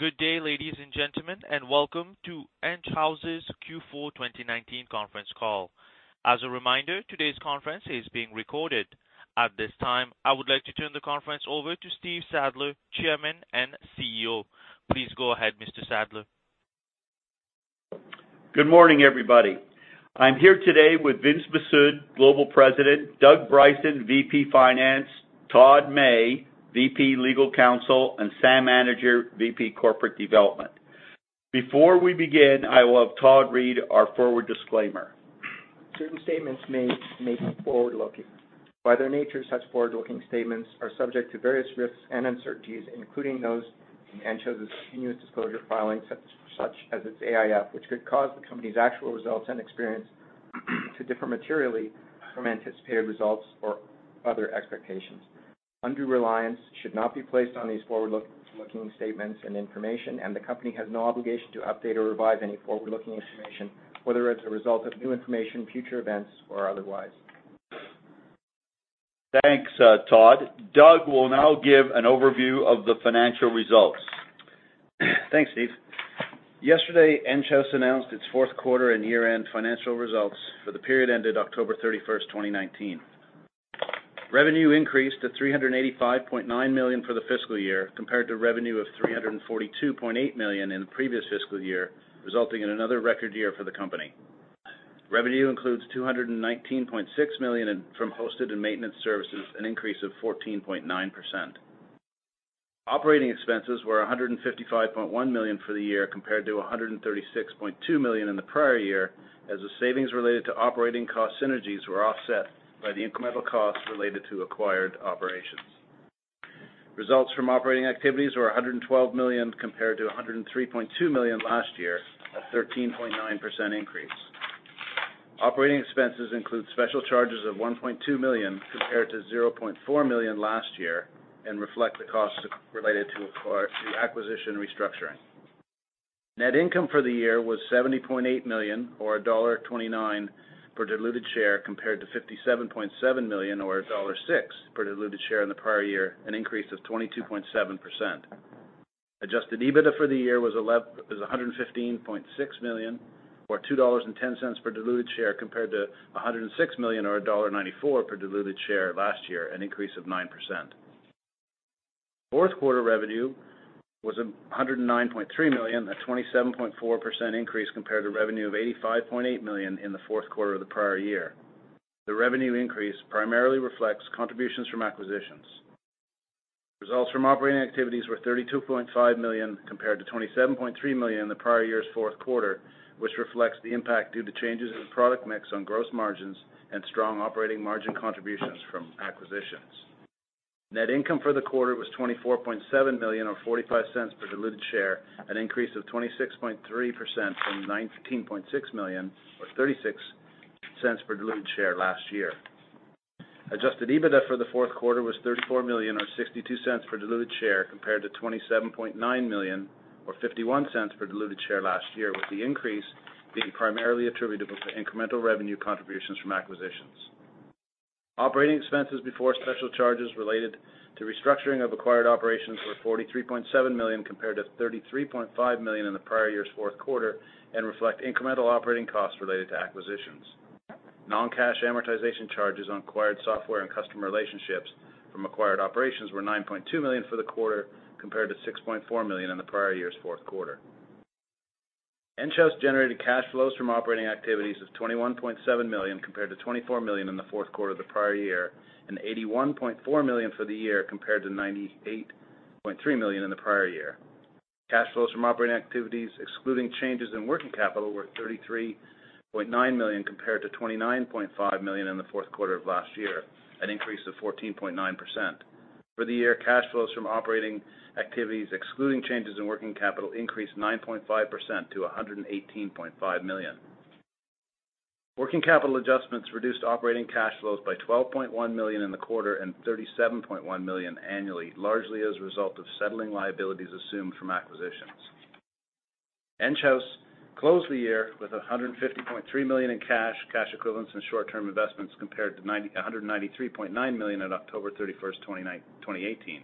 Good day, ladies and gentlemen, and welcome to Enghouse's Q4 2019 conference call. As a reminder, today's conference is being recorded. At this time, I would like to turn the conference over to Stephen Sadler, Chairman and CEO. Please go ahead, Mr. Sadler. Good morning, everybody. I'm here today with Vince Mifsud, Global President, Doug Bryson, VP Finance, Todd May, VP Legal Counsel, and Sam Anidjar, VP Corporate Development. Before we begin, I will have Todd read our forward disclaimer. Certain statements made may be forward-looking. By their nature, such forward-looking statements are subject to various risks and uncertainties, including those in Enghouse's continuous disclosure filings, such as its AIF, which could cause the company's actual results and experience to differ materially from anticipated results or other expectations. Undue reliance should not be placed on these forward-looking statements and information. The company has no obligation to update or revise any forward-looking information, whether as a result of new information, future events, or otherwise. Thanks, Todd. Doug will now give an overview of the financial results. Thanks, Steve. Yesterday, Enghouse announced its fourth quarter and year-end financial results for the period ended October 31st, 2019. Revenue increased to 385.9 million for the fiscal year compared to revenue of 342.8 million in the previous fiscal year, resulting in another record year for the company. Revenue includes 219.6 million in from hosted and maintenance services, an increase of 14.9%. Operating expenses were 155.1 million for the year, compared to 136.2 million in the prior year, as the savings related to operating cost synergies were offset by the incremental costs related to acquired operations. Results from operating activities were 112 million compared to 103.2 million last year, a 13.9% increase. Operating expenses include special charges of 1.2 million compared to 0.4 million last year and reflect the costs related to the acquisition restructuring. Net income for the year was 70.8 million, or dollar 1.29 per diluted share, compared to 57.7 million or dollar 1.06 per diluted share in the prior year, an increase of 22.7%. Adjusted EBITDA for the year was 115.6 million, or 2.10 dollars per diluted share, compared to 106 million or dollar 1.94 per diluted share last year, an increase of 9%. Fourth quarter revenue was 109.3 million, a 27.4% increase compared to revenue of 85.8 million in the fourth quarter of the prior year. The revenue increase primarily reflects contributions from acquisitions. Results from operating activities were 32.5 million compared to 27.3 million in the prior year's fourth quarter, which reflects the impact due to changes in product mix on gross margins and strong operating margin contributions from acquisitions. Net income for the quarter was 24.7 million or 0.45 per diluted share, an increase of 26.3% from 19.6 million or 0.36 per diluted share last year. Adjusted EBITDA for the fourth quarter was 34 million or 0.62 per diluted share compared to 27.9 million or 0.51 per diluted share last year, with the increase being primarily attributable to incremental revenue contributions from acquisitions. Operating expenses before special charges related to restructuring of acquired operations were 43.7 million compared to 33.5 million in the prior year's fourth quarter and reflect incremental operating costs related to acquisitions. Non-cash amortization charges on acquired software and customer relationships from acquired operations were 9.2 million for the quarter, compared to 6.4 million in the prior year's fourth quarter. Enghouse generated cash flows from operating activities of 21.7 million, compared to 24 million in the fourth quarter of the prior year, and 81.4 million for the year, compared to 98.3 million in the prior year. Cash flows from operating activities, excluding changes in working capital, were 33.9 million, compared to 29.5 million in the fourth quarter of last year, an increase of 14.9%. For the year, cash flows from operating activities, excluding changes in working capital, increased 9.5% to 118.5 million. Working capital adjustments reduced operating cash flows by 12.1 million in the quarter and 37.1 million annually, largely as a result of settling liabilities assumed from acquisitions. Enghouse closed the year with 150.3 million in cash equivalents, and short-term investments compared to 193.9 million on October 31st, 2018.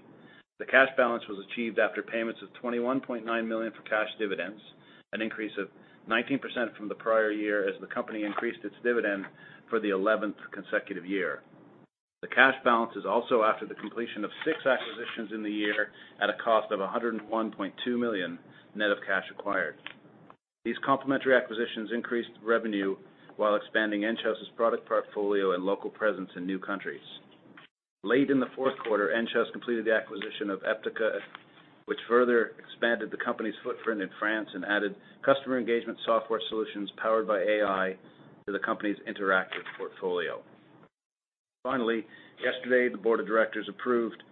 The cash balance was achieved after payments of 21.9 million for cash dividends, an increase of 19% from the prior year as the company increased its dividend for the 11th consecutive year. The cash balance is also after the completion of six acquisitions in the year at a cost of 101.2 million net of cash acquired. These complementary acquisitions increased revenue while expanding Enghouse's product portfolio and local presence in new countries. Late in the fourth quarter, Enghouse completed the acquisition of Eptica, which further expanded the company's footprint in France and added customer engagement software solutions powered by AI to the company's interactive portfolio. Finally, yesterday, the board of directors approved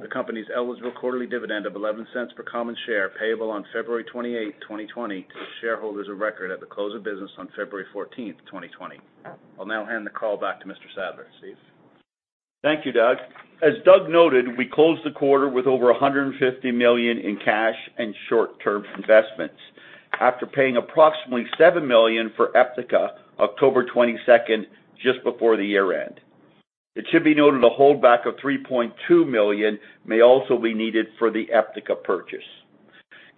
the company's eligible quarterly dividend of 0.11 per common share, payable on February 28th, 2020 to shareholders of record at the close of business on February 14th, 2020. I'll now hand the call back to Mr. Sadler. Steve? Thank you, Doug. As Doug noted, we closed the quarter with over 150 million in cash and short-term investments. After paying approximately 7 million for Eptica October 22nd, just before the year-end. It should be noted a holdback of 3.2 million may also be needed for the Eptica purchase.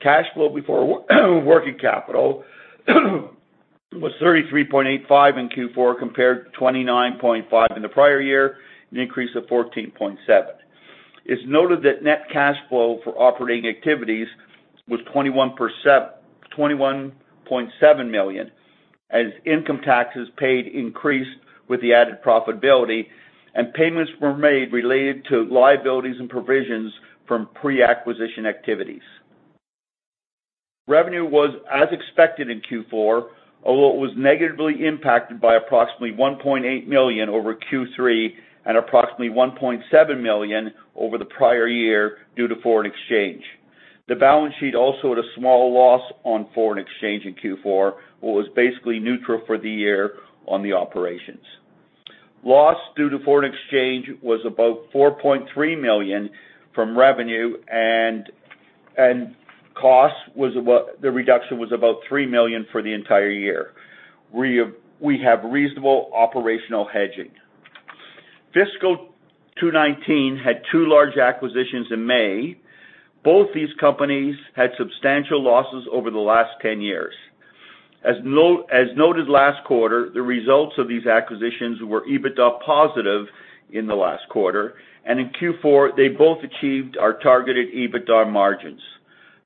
Cash flow before working capital was 33.85 in Q4 compared to 29.5 in the prior year, an increase of 14.7%. It's noted that net cash flow for operating activities was 21.7 million, as income taxes paid increased with the added profitability and payments were made related to liabilities and provisions from pre-acquisition activities. Revenue was as expected in Q4, although it was negatively impacted by approximately 1.8 million over Q3 and approximately 1.7 million over the prior year due to foreign exchange. The balance sheet also at a small loss on foreign exchange in Q4, was basically neutral for the year on the operations. Loss due to foreign exchange was about 4.3 million from revenue and cost, the reduction was about 3 million for the entire year. We have reasonable operational hedging. Fiscal 2019 had two large acquisitions in May. Both these companies had substantial losses over the last 10 years. As noted last quarter, the results of these acquisitions were EBITDA positive in the last quarter, and in Q4, they both achieved our targeted EBITDA margins.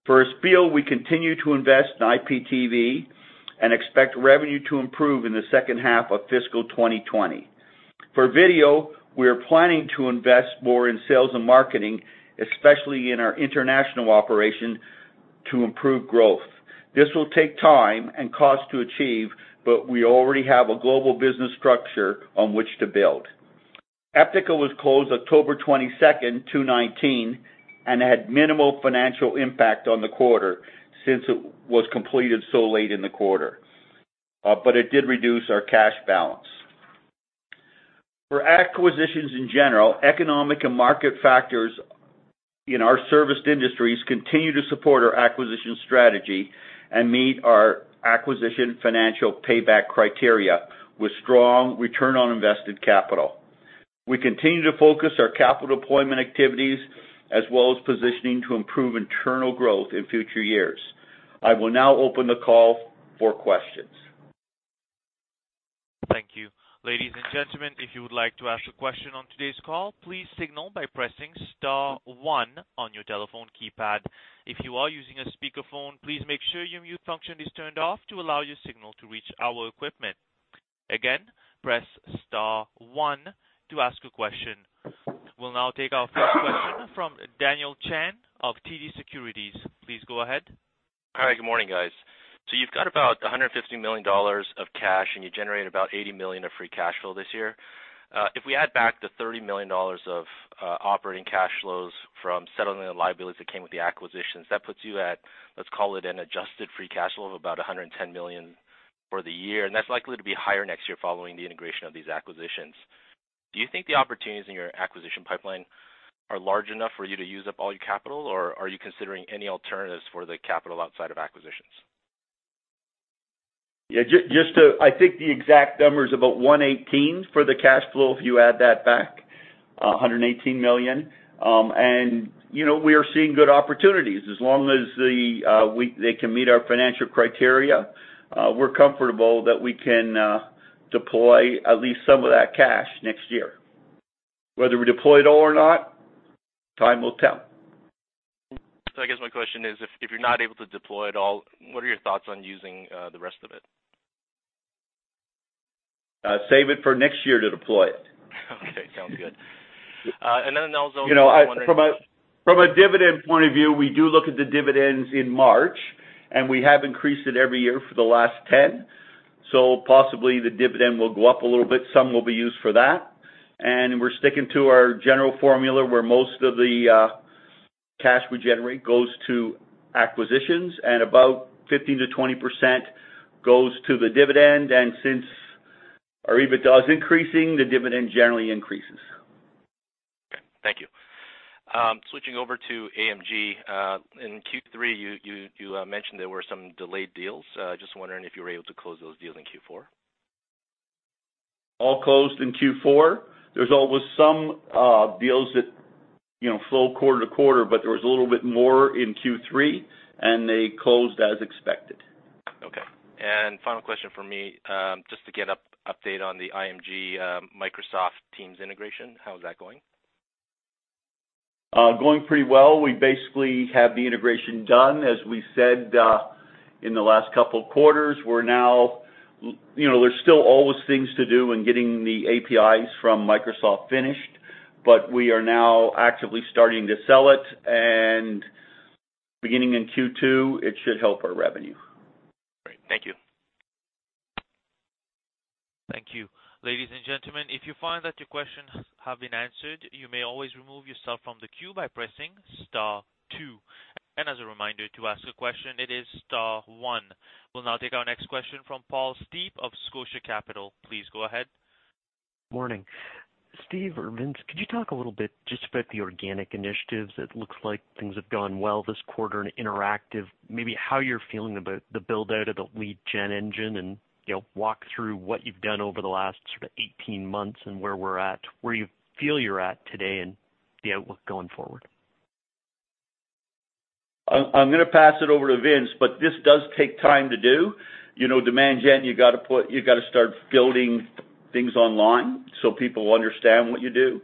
For Espial, we continue to invest in IPTV and expect revenue to improve in the second half of fiscal 2020. For Vidyo, we are planning to invest more in sales and marketing, especially in our international operation to improve growth. This will take time and cost to achieve, but we already have a global business structure on which to build. Eptica was closed October 22nd, 2019, and had minimal financial impact on the quarter since it was completed so late in the quarter. It did reduce our cash balance. For acquisitions in general, economic and market factors in our service industries continue to support our acquisition strategy and meet our acquisition financial payback criteria with strong return on invested capital. We continue to focus our capital deployment activities as well as positioning to improve internal growth in future years. I will now open the call for questions. Thank you. Ladies and gentlemen, if you would like to ask a question on today's call, please signal by pressing star one on your telephone keypad. If you are using a speakerphone, please make sure your mute function is turned off to allow your signal to reach our equipment. Again, press star one to ask a question. We'll now take our first question from Daniel Chan of TD Securities. Please go ahead. All right. Good morning, guys. You've got about 150 million dollars of cash, and you generate about 80 million of free cash flow this year. If we add back the 30 million dollars of operating cash flows from settling the liabilities that came with the acquisitions, that puts you at, let's call it an adjusted free cash flow of about 110 million for the year, and that's likely to be higher next year following the integration of these acquisitions. Do you think the opportunities in your acquisition pipeline are large enough for you to use up all your capital, or are you considering any alternatives for the capital outside of acquisitions? Yeah, I think the exact number is about 118 for the cash flow, if you add that back, 118 million. We are seeing good opportunities. As long as they can meet our financial criteria, we're comfortable that we can deploy at least some of that cash next year. Whether we deploy it all or not, time will tell. I guess my question is, if you're not able to deploy it all, what are your thoughts on using the rest of it? Save it for next year to deploy it. Okay, sounds good. From a dividend point of view, we do look at the dividends in March, and we have increased it every year for the last 10. Possibly the dividend will go up a little bit. Some will be used for that, and we're sticking to our general formula where most of the cash we generate goes to acquisitions and about 15%-20% goes to the dividend. Since our EBITDA is increasing, the dividend generally increases. Okay. Thank you. Switching over to AMG. In Q3, you mentioned there were some delayed deals. Just wondering if you were able to close those deals in Q4? All closed in Q4. There's always some deals that flow quarter to quarter, but there was a little bit more in Q3, and they closed as expected. Okay. Final question from me, just to get update on the IMG Microsoft Teams integration. How is that going? Going pretty well. We basically have the integration done, as we said, in the last couple of quarters. There's still always things to do in getting the APIs from Microsoft finished. We are now actively starting to sell it, and beginning in Q2, it should help our revenue. Great. Thank you. Thank you. Ladies and gentlemen, if you find that your questions have been answered, you may always remove yourself from the queue by pressing star two. As a reminder to ask a question, it is star one. We'll now take our next question from Paul Steep of Scotia Capital. Please go ahead. Morning. Steve or Vince, could you talk a little bit just about the organic initiatives? It looks like things have gone well this quarter in Interactive. Maybe how you're feeling about the build-out of the lead gen engine, and walk through what you've done over the last 18 months and where you feel you're at today and the outlook going forward. I'm going to pass it over to Vince, but this does take time to do. Demand gen, you've got to start building things online so people understand what you do.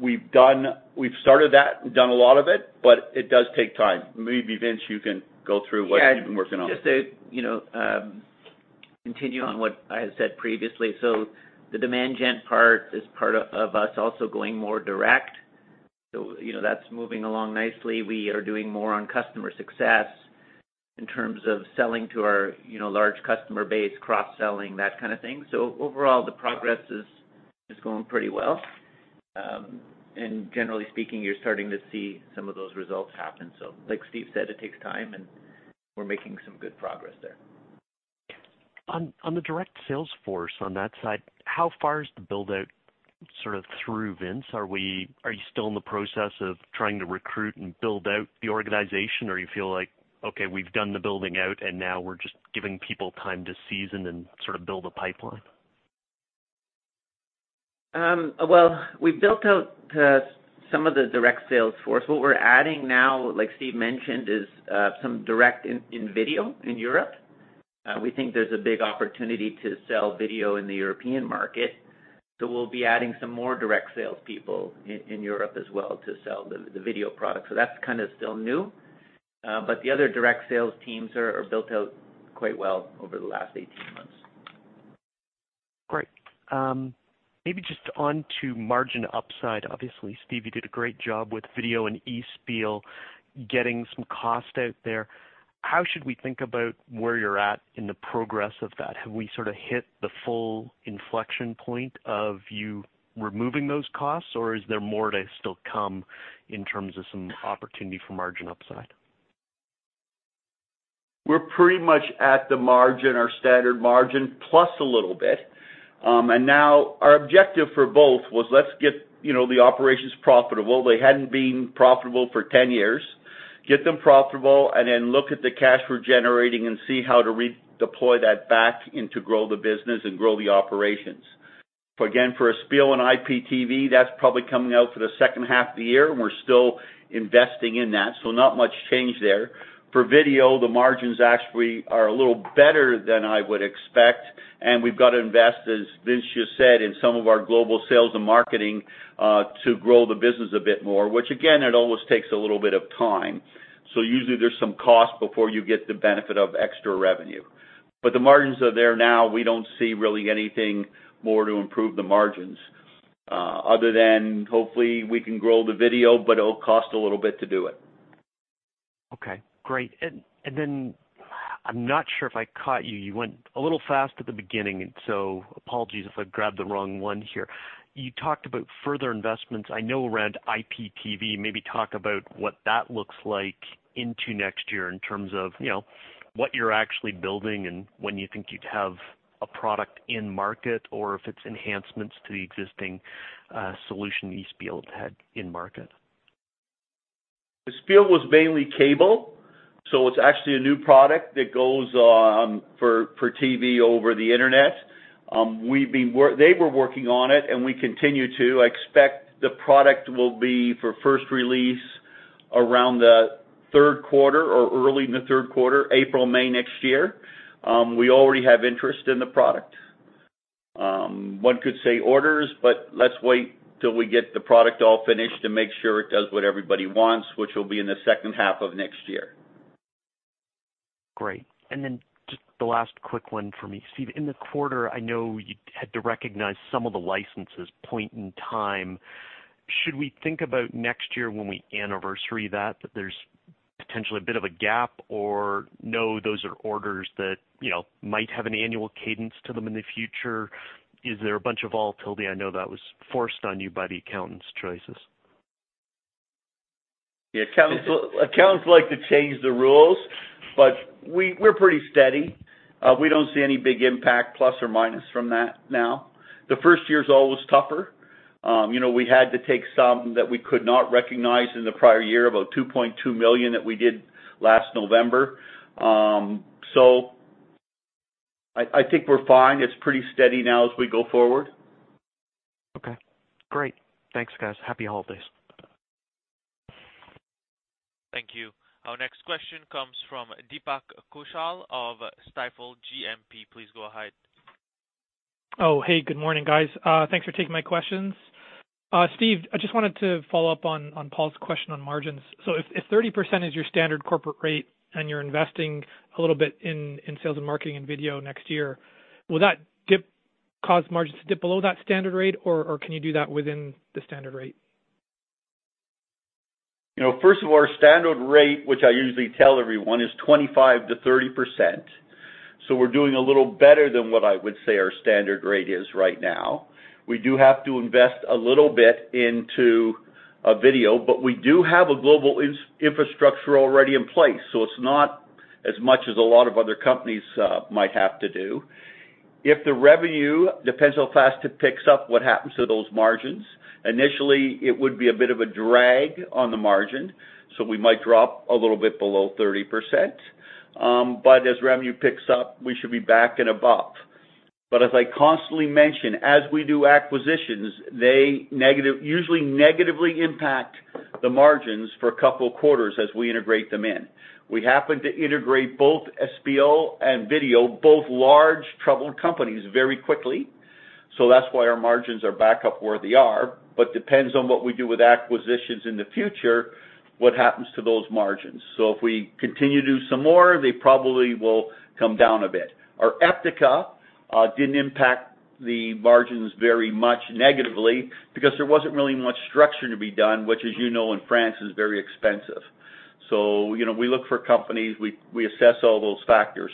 We've started that and done a lot of it, but it does take time. Maybe, Vince, you can go through what you've been working on. Yeah. Just to continue on what I had said previously. The demand gen part is part of us also going more direct. That's moving along nicely. We are doing more on customer success in terms of selling to our large customer base, cross-selling, that kind of thing. Overall, the progress is going pretty well. Generally speaking, you're starting to see some of those results happen. Like Steve said, it takes time, and we're making some good progress there. On the direct sales force on that side, how far is the build-out through, Vince? Are you still in the process of trying to recruit and build out the organization or you feel like, okay, we've done the building out, and now we're just giving people time to season and build a pipeline? Well, we've built out some of the direct sales force. What we're adding now, like Steve mentioned, is some direct in Vidyo in Europe. We think there's a big opportunity to sell Vidyo in the European market. We'll be adding some more direct sales people in Europe as well to sell the Vidyo product. That's still new. The other direct sales teams are built out quite well over the last 18 months. Great. Maybe just onto margin upside. Obviously, Steve, you did a great job with Vidyo and Espial getting some cost out there. How should we think about where you're at in the progress of that? Have we hit the full inflection point of you removing those costs, or is there more to still come in terms of some opportunity for margin upside? We're pretty much at the margin or standard margin plus a little bit. Now our objective for both was, let's get the operations profitable. They hadn't been profitable for 10 years. Get them profitable and then look at the cash we're generating and see how to redeploy that back into grow the business and grow the operations. Again, for Espial and IPTV, that's probably coming out for the second half of the year, and we're still investing in that. Not much change there. For video, the margins actually are a little better than I would expect, and we've got to invest, as Vince just said, in some of our global sales and marketing to grow the business a bit more, which again, it always takes a little bit of time. Usually there's some cost before you get the benefit of extra revenue. The margins are there now. We don't see really anything more to improve the margins other than hopefully we can grow the Vidyo, but it'll cost a little bit to do it. Okay, great. I'm not sure if I caught you. You went a little fast at the beginning, apologies if I grabbed the wrong one here. You talked about further investments. I know around IPTV. Maybe talk about what that looks like into next year in terms of what you're actually building and when you think you'd have a product in market, or if it's enhancements to the existing solution Espial had in market. Espial was mainly cable, so it's actually a new product that goes for TV over the internet. They were working on it, and we continue to. I expect the product will be for first release around the third quarter or early in the third quarter, April, May next year. We already have interest in the product. One could say orders, but let's wait till we get the product all finished and make sure it does what everybody wants, which will be in the second half of next year. Great. Then just the last quick one for me. Steve, in the quarter, I know you had to recognize some of the licenses point in time. Should we think about next year when we anniversary that there's potentially a bit of a gap or no, those are orders that might have an annual cadence to them in the future? Is there a bunch of volatility? I know that was forced on you by the accountant's choices. Accountants like to change the rules. We're pretty steady. We don't see any big impact ± from that now. The first year is always tougher. We had to take some that we could not recognize in the prior year, about 2.2 million that we did last November. I think we're fine. It's pretty steady now as we go forward. Okay, great. Thanks, guys. Happy holidays. Thank you. Our next question comes from Deepak Kaushal of Stifel GMP. Please go ahead. Oh, hey, good morning, guys. Thanks for taking my questions. Steve, I just wanted to follow up on Paul's question on margins. If 30% is your standard corporate rate and you're investing a little bit in sales and marketing and Vidyo next year, will that cause margins to dip below that standard rate, or can you do that within the standard rate? First of all, our standard rate, which I usually tell everyone, is 25%-30%. We're doing a little better than what I would say our standard rate is right now. We do have to invest a little bit into Vidyo, we do have a global infrastructure already in place. It's not as much as a lot of other companies might have to do. If the revenue depends on how fast it picks up, what happens to those margins? Initially, it would be a bit of a drag on the margin, we might drop a little bit below 30%. As revenue picks up, we should be back and above. As I constantly mention, as we do acquisitions, they usually negatively impact the margins for a couple of quarters as we integrate them in. We happen to integrate both Espial and Vidyo, both large, troubled companies, very quickly. That's why our margins are back up where they are, but depends on what we do with acquisitions in the future, what happens to those margins. If we continue to do some more, they probably will come down a bit. Our Eptica didn't impact the margins very much negatively because there wasn't really much structuring to be done, which, as you know, in France, is very expensive. We look for companies, we assess all those factors.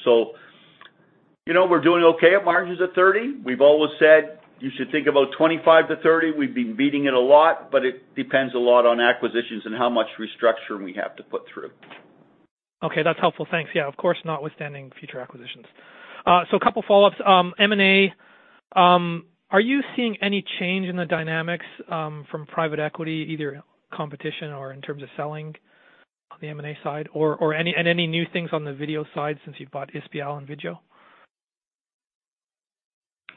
We're doing okay. Our margins are 30. We've always said you should think about 25 to 30. We've been beating it a lot, but it depends a lot on acquisitions and how much restructuring we have to put through. Okay, that's helpful. Thanks. Yeah, of course, notwithstanding future acquisitions. A couple of follow-ups. M&A, are you seeing any change in the dynamics from private equity, either competition or in terms of selling on the M&A side? Any new things on the video side since you've bought Espial and Vidyo?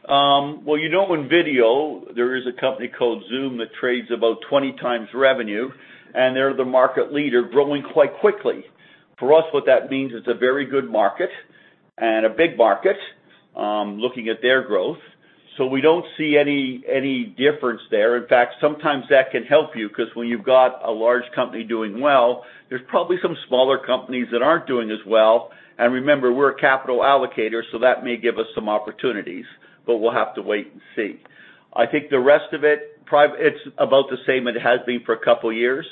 Well, you know, in Vidyo, there is a company called Zoom that trades about 20x revenue. They're the market leader growing quite quickly. For us, what that means, it's a very good market and a big market, looking at their growth. We don't see any difference there. In fact, sometimes that can help you because when you've got a large company doing well, there's probably some smaller companies that aren't doing as well. Remember, we're a capital allocator. That may give us some opportunities. We'll have to wait and see. I think the rest of it's about the same it has been for a couple of years.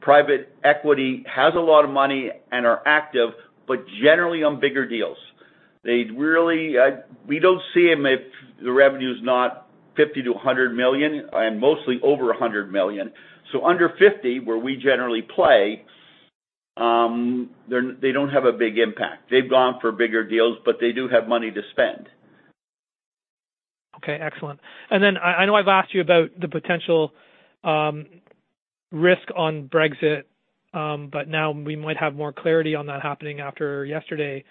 Private equity has a lot of money. Are active, generally on bigger deals. We don't see them if the revenue is not 50 million-100 million. Mostly over 100 million. Under 50, where we generally play, they don't have a big impact. They've gone for bigger deals, but they do have money to spend. Okay, excellent. I know I've asked you about the potential risk on Brexit, but now we might have more clarity on that happening after yesterday.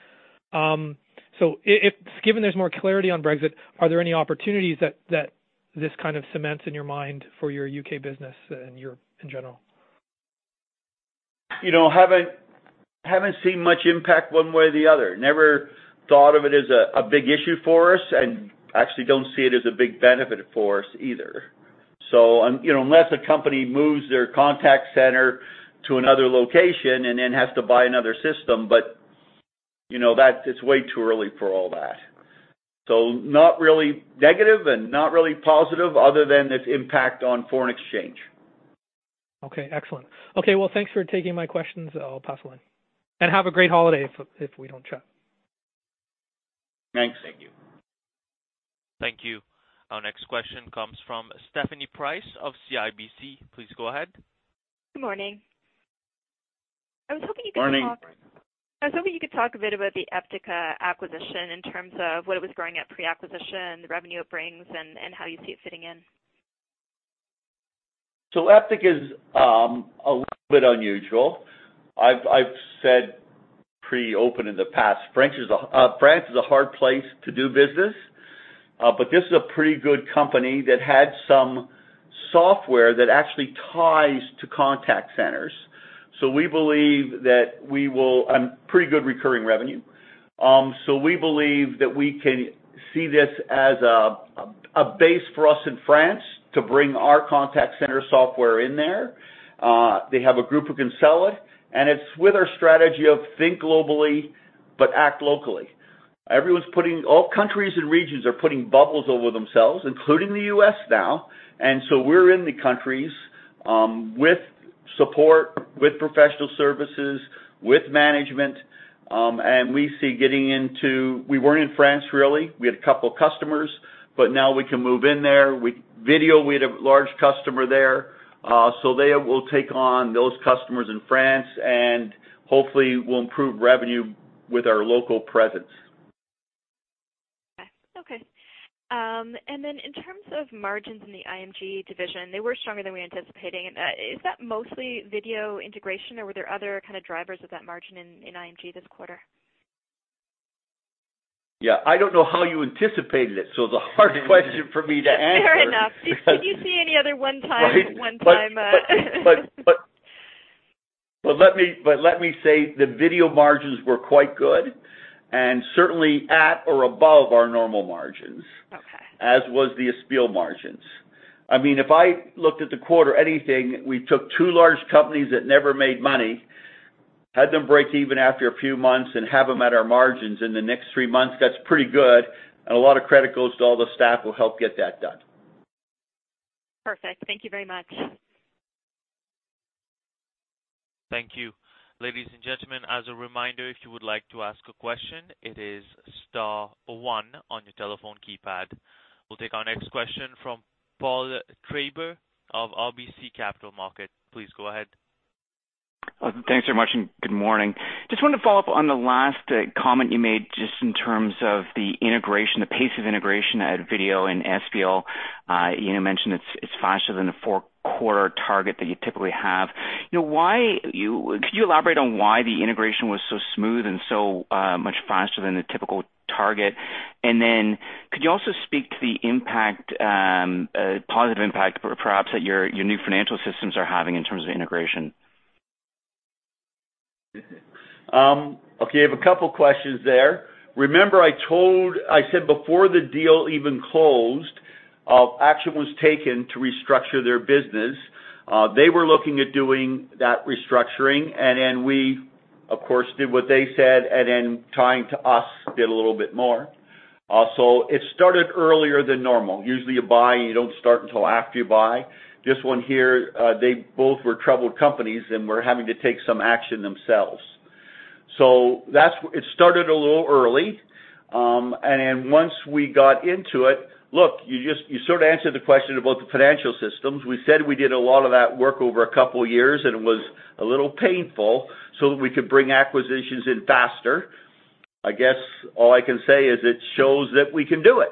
Given there's more clarity on Brexit, are there any opportunities that this kind of cements in your mind for your U.K. business and in general? Haven't seen much impact one way or the other. Never thought of it as a big issue for us and actually don't see it as a big benefit for us either. Unless a company moves their contact center to another location and then has to buy another system. It's way too early for all that. Not really negative and not really positive other than its impact on foreign exchange. Okay, excellent. Okay, well, thanks for taking my questions. I'll pass the line. Have a great holiday if we don't chat. Thanks. Thank you. Our next question comes from Stephanie Price of CIBC. Please go ahead. Good morning. Morning. I was hoping you could talk a bit about the Eptica acquisition in terms of what it was growing at pre-acquisition, the revenue it brings, and how you see it fitting in. Eptica is a little bit unusual. I've said pretty open in the past, France is a hard place to do business. This is a pretty good company that had some software that actually ties to contact centers. Pretty good recurring revenue. We believe that we can see this as a base for us in France to bring our contact center software in there. They have a group who can sell it, and it's with our strategy of think globally, but act locally. All countries and regions are putting bubbles over themselves, including the U.S. now. We're in the countries, with support, with professional services, with management, and we see we weren't in France really. We had a couple of customers, but now we can move in there. With Vidyo, we had a large customer there, so they will take on those customers in France, and hopefully, will improve revenue with our local presence. Okay. In terms of margins in the IMG division, they were stronger than we anticipated. Is that mostly Vidyo integration, or were there other kind of drivers of that margin in IMG this quarter? Yeah, I don't know how you anticipated it, so it's a hard question for me to answer. Fair enough. Did you see any other one time? Let me say the Vidyo margins were quite good, and certainly at or above our normal margins. Okay. As was the Espial margins. If I looked at the quarter, anything, we took two large companies that never made money, had them break even after a few months, and have them at our margins in the next three months, that's pretty good. A lot of credit goes to all the staff who helped get that done. Perfect. Thank you very much. Thank you. Ladies and gentlemen, as a reminder, if you would like to ask a question, it is star one on your telephone keypad. We'll take our next question from Paul Treiber of RBC Capital Markets. Please go ahead. Thanks very much, and good morning. Just wanted to follow up on the last comment you made, just in terms of the pace of integration at Vidyo and Espial. You mentioned it's faster than the four-quarter target that you typically have. Could you elaborate on why the integration was so smooth and so much faster than the typical target? Could you also speak to the positive impact perhaps that your new financial systems are having in terms of integration? Okay, you have a couple questions there. Remember, I said before the deal even closed, action was taken to restructure their business. They were looking at doing that restructuring, and then we of course did what they said, and then tying to us, did a little bit more. It started earlier than normal. Usually you buy, and you don't start until after you buy. This one here, they both were troubled companies and were having to take some action themselves. It started a little early. Once we got into it, look, you sort of answered the question about the financial systems. We said we did a lot of that work over a couple of years, and it was a little painful so that we could bring acquisitions in faster. I guess all I can say is it shows that we can do it.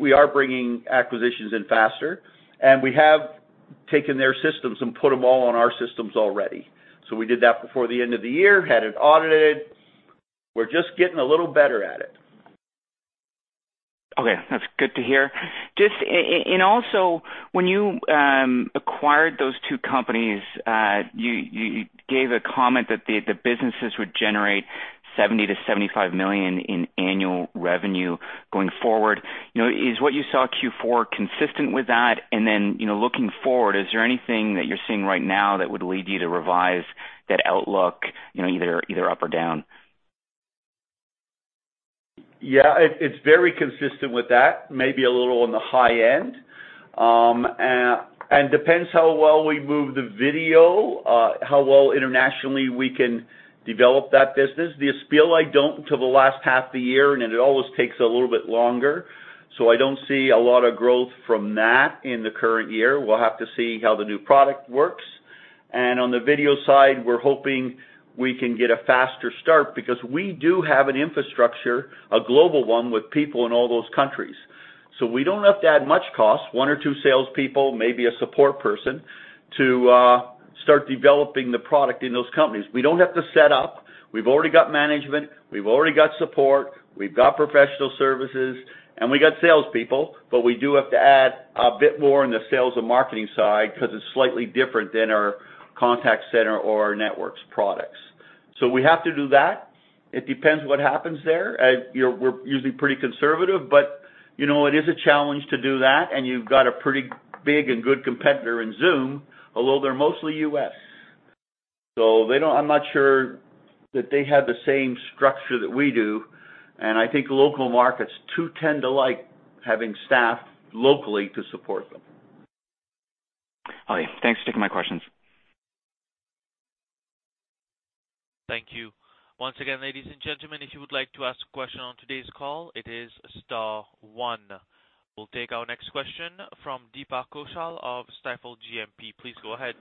We are bringing acquisitions in faster, and we have taken their systems and put them all on our systems already. We did that before the end of the year, had it audited. We're just getting a little better at it. Okay, that's good to hear. Also, when you acquired those two companies, you gave a comment that the businesses would generate 70 million-75 million in annual revenue going forward. Is what you saw Q4 consistent with that? Then, looking forward, is there anything that you're seeing right now that would lead you to revise that outlook either up or down? Yeah, it's very consistent with that. Maybe a little on the high end. Depends how well we move the video, how well internationally we can develop that business. The Espial, I don't until the last half of the year, and it always takes a little bit longer. I don't see a lot of growth from that in the current year. We'll have to see how the new product works. On the video side, we're hoping we can get a faster start because we do have an infrastructure, a global one with people in all those countries. We don't have to add much cost, one or two salespeople, maybe a support person, to start developing the product in those companies. We don't have to set up. We've already got management. We've already got support. We've got professional services, and we've got salespeople. We do have to add a bit more on the sales and marketing side because it's slightly different than our contact center or our networks products. We have to do that. It depends what happens there. We're usually pretty conservative, but it is a challenge to do that, and you've got a pretty big and good competitor in Zoom, although they're mostly U.S. I'm not sure that they have the same structure that we do, and I think local markets too tend to like having staff locally to support them. Okay. Thanks for taking my questions. Thank you. Once again, ladies and gentlemen, if you would like to ask a question on today's call, it is star one. We'll take our next question from Deepak Kaushal of Stifel GMP. Please go ahead.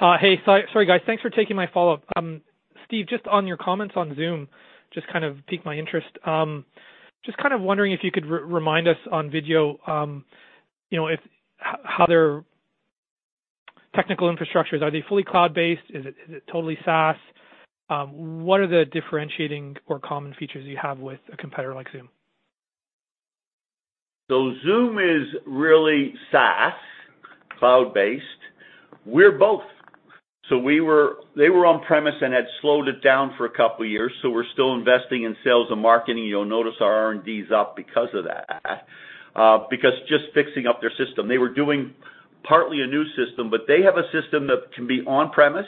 Hey, sorry guys. Thanks for taking my follow-up. Steve, just on your comments on Zoom just kind of piqued my interest. Just kind of wondering if you could remind us on Vidyo, how their technical infrastructure is. Are they fully cloud-based? Is it totally SaaS? What are the differentiating or common features you have with a competitor like Zoom? Zoom is really SaaS, cloud-based. We're both. They were on-premise and had slowed it down for a couple of years, so we're still investing in sales and marketing. You'll notice our R&D's up because of that, because just fixing up their system. They were doing partly a new system, but they have a system that can be on-premise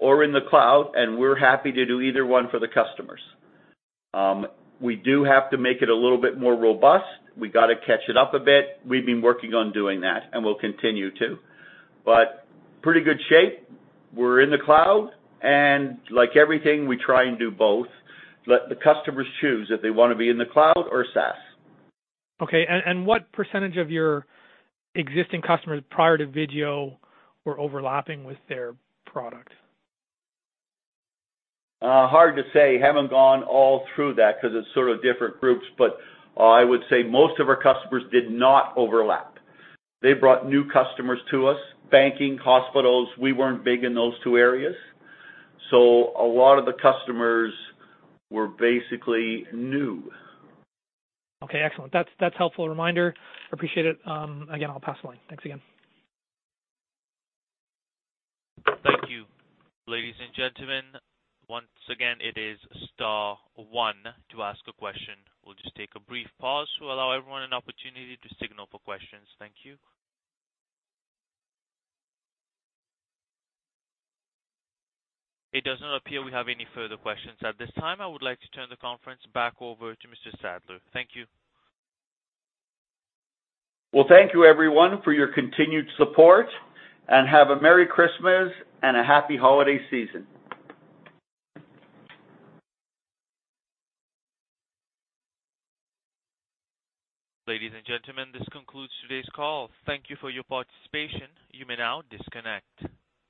or in the cloud, and we're happy to do either one for the customers. We do have to make it a little bit more robust. We got to catch it up a bit. We've been working on doing that, and we'll continue to. Pretty good shape. We're in the cloud, and like everything, we try and do both. Let the customers choose if they want to be in the cloud or SaaS. Okay, what % of your existing customers prior to Vidyo were overlapping with their product? Hard to say. Haven't gone all through that because it's sort of different groups. I would say most of our customers did not overlap. They brought new customers to us, banking, hospitals. We weren't big in those two areas. A lot of the customers were basically new. Okay, excellent. That's a helpful reminder. I appreciate it. Again, I'll pass the line. Thanks again. Thank you. Ladies and gentlemen, once again, it is star one to ask a question. We'll just take a brief pause to allow everyone an opportunity to signal for questions. Thank you. It does not appear we have any further questions at this time. I would like to turn the conference back over to Mr. Sadler. Thank you. Well, thank you everyone for your continued support, and have a merry Christmas and a happy holiday season. Ladies and gentlemen, this concludes today's call. Thank you for your participation. You may now disconnect.